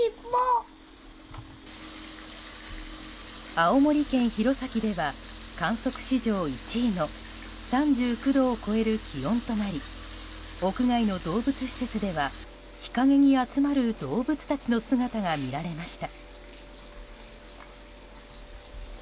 青森県弘前では観測史上１位の３９度を超える気温となり屋外の動物施設では日陰に集まる動物たちの姿が見られました。